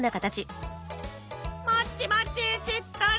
もちもちしっとり！